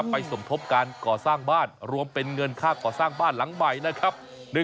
สมทบการก่อสร้างบ้านรวมเป็นเงินค่าก่อสร้างบ้านหลังใหม่นะครับ